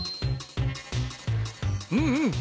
うんうん。